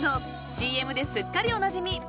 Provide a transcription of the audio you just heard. ＣＭですっかりおなじみ］